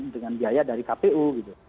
dengan biaya dari kpu